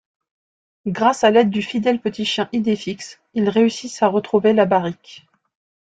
Grâce à l'aide du fidèle petit chien Idéfix, ils réussissent à retrouver la barrique.